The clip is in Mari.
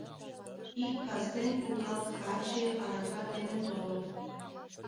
Ик кастен Купъял каче арака дене толын...